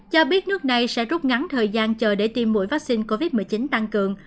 cho biết nước này sẽ rút ngắn thời gian chờ để tiêm mũi vaccine covid một mươi chín tăng cường